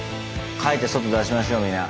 書いて外出しましょうみんな。